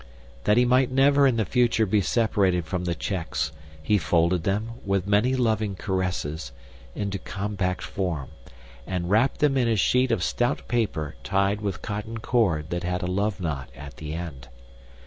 That he might never in the future be separated from the checks, he folded them, with many loving caresses, into compact form, and wrapped them in a sheet of stout paper tied with cotton cord that had a love knot at the end.